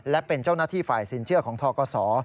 และเป็นเจ้าหน้าที่ฝ่ายสินเชื่อของทกศ